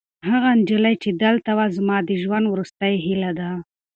هغه نجلۍ چې دلته ده، زما د ژوند وروستۍ هیله ده.